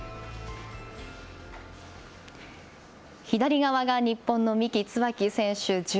左側が日本の三木つばき選手。